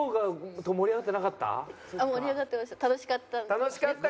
楽しかった。